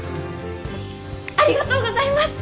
ありがとうございます！